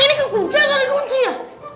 ini kekunci atau gak dikunci ya